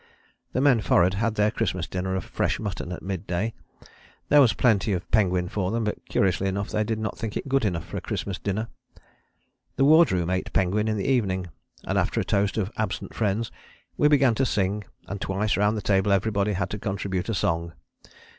The men forrard had their Christmas dinner of fresh mutton at mid day; there was plenty of penguin for them, but curiously enough they did not think it good enough for a Christmas dinner. The ward room ate penguin in the evening, and after the toast of 'absent friends' we began to sing, and twice round the table everybody had to contribute a song.